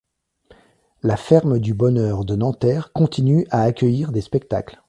La Ferme du Bonheur de Nanterre continue à accueillir des spectacles.